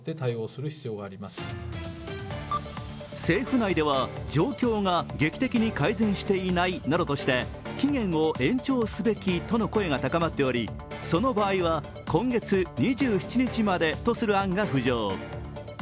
政府内では状況が劇的に改善してしないなどとして期限を延長すべきとの声が高まっておりその場合は、今月２７日までとする案が浮上。